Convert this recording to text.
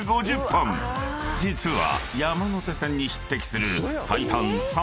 ［実は］